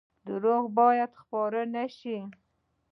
دروغ باید خپاره نشي